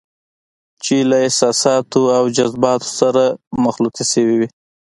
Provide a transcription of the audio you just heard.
چې له احساساتو او جذباتو سره مخلوطې شوې وي.